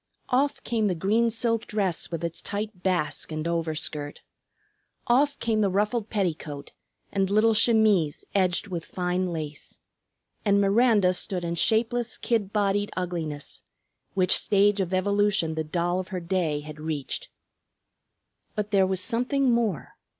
Off came the green silk dress with its tight "basque" and overskirt. Off came the ruffled petticoat and little chemise edged with fine lace. And Miranda stood in shapeless, kid bodied ugliness, which stage of evolution the doll of her day had reached. But there was something more.